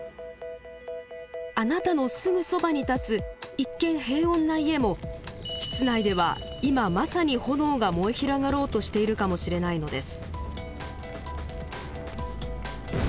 あなたのすぐそばに立つ一見平穏な家も室内では今まさに炎が燃え広がろうとしているかもしれないのです。